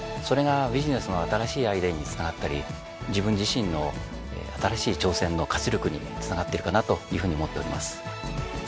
それがビジネスの新しいアイデアにつながったり自分自身の新しい挑戦の活力につながってるかなというふうに思っております。